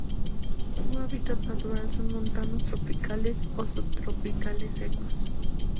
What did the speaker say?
Su hábitat natural son montanos tropicales o subtropicales secos.